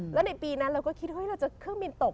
แล้วในปีนั้นเราก็คิดว่าเราจะเครื่องบินตก